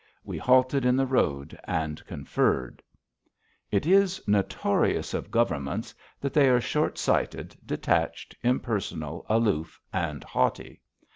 We halted in the road and conferred. It is notorious of Governments that they are short sighted, detached, impersonal, aloof, and haughty.